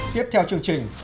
tiếp theo chương trình